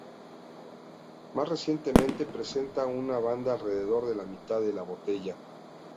Más recientemente, presentan una banda alrededor de la mitad de la botella.